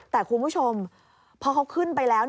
แต่คุณผู้ชมพอเขาขึ้นไปแล้ว